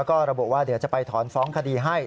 ก็ระบุว่าเดี๋ยวจะไปถอนฟ้องคดีให้